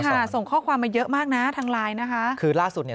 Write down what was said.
เมื่อสองส่งเข้าความมาเยอะมากนะทางไลน์คือล่าสุดเนี้ย